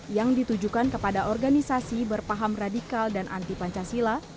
yang ditujukan kepada organisasi berpaham radikal dan anti pancasila